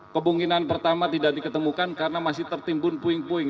kemungkinan pertama tidak diketemukan karena masih tertimbun puing puing